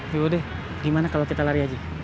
yaudah gimana kalau kita lari aja